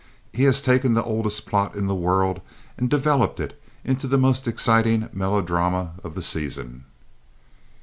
He has taken the oldest plot in the world and developed it into the most exciting melodrama of the season.